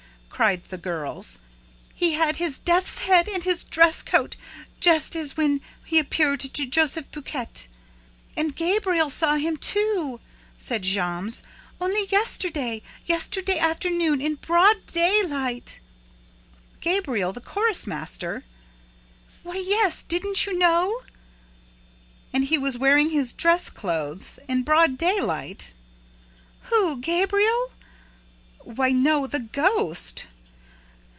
cried the girls. "He had his death's head and his dress coat, just as when he appeared to Joseph Buquet!" "And Gabriel saw him too!" said Jammes. "Only yesterday! Yesterday afternoon in broad day light " "Gabriel, the chorus master?" "Why, yes, didn't you know?" "And he was wearing his dress clothes, in broad daylight?" "Who? Gabriel?" "Why, no, the ghost!"